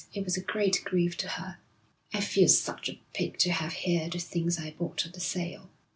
It was a great grief to her.' 'I feel such a pig to have here the things I bought at the sale.'